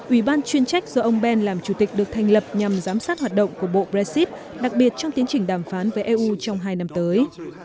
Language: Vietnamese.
ủy ban chuyên trách do ông ben làm chủ tịch được thành lập nhằm giám sát hoạt động của bộ brexit đặc biệt trong tiến trình đàm phán với eu trong hai năm tới